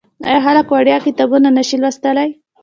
آیا خلک وړیا کتابونه نشي لوستلی؟